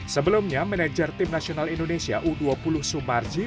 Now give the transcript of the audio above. sebelumnya manajer tim nasional indonesia u dua puluh sumarji